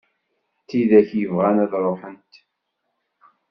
D tidak yebɣan ad ruḥent.